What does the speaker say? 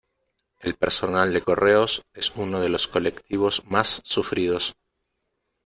El personal de correos es uno de los colectivos más sufridos.